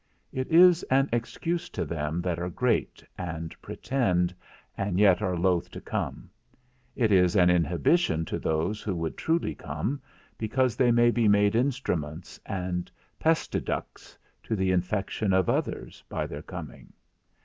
It is an excuse to them that are great, and pretend, and yet are loath to come; it is an inhibition to those who would truly come, because they may be made instruments, and pestiducts, to the infection of others, by their coming.